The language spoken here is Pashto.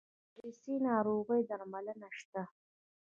د ویروسي ناروغیو درملنه شته؟